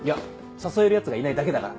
誘えるヤツがいないだけだから。